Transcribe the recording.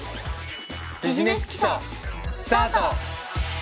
「ビジネス基礎」スタート！